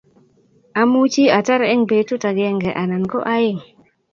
Amuchi atar eng' petut akenge anan ko aeng'.